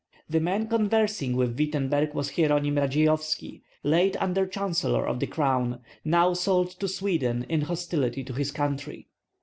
The man conversing with Wittemberg was Hieronim Kailzeyovski, late under chancellor of the Crown, now sold to Sweden in hostility to his country.